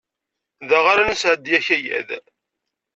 Da ara nesɛeddi akayad.